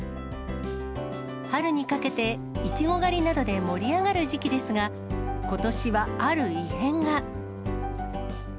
春にかけてイチゴ狩りなどで盛り上がる時期ですが、ことしはある異変が。